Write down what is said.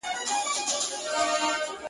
o د دښمن کره ورځم، دوست مي گرو دئ٫